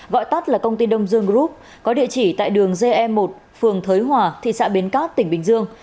gọi tắt là công ty đông dương group có địa chỉ tại đường ge một phường thới hòa thị xã bến cát tỉnh bình dương